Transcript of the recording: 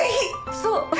そう？